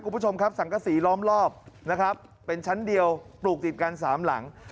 คุณผู้ชมครับสังกษีล้อมรอบนะครับเป็นชั้นเดียวปลูกติดกันสามหลัง